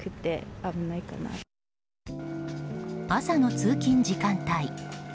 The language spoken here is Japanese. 朝の通勤時間帯。